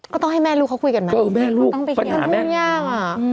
ก็ต้องให้แม่ลูกเขาคุยกันไหมต้องไปคิดอ่ะอืมก็ต้องให้แม่ลูกเขาคุยกันไหมปัญหาแม่